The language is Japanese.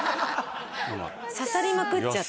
刺さりまくっちゃった。